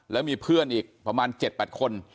แล้วมีเพื่อนอีกประมาณ๗๘คน